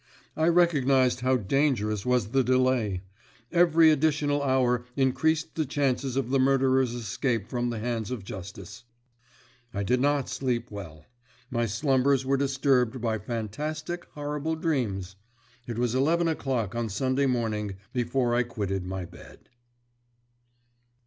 I recognised how dangerous was the delay. Every additional hour increased the chances of the murderer's escape from the hands of justice. I did not sleep well; my slumbers were disturbed by fantastic, horrible dreams. It was eleven o'clock on Sunday morning before I quitted my bed.